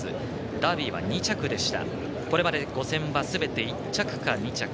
ダービーは２着でした。